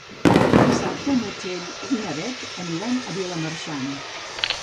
Dissabte na Txell i na Beth aniran a Vilamarxant.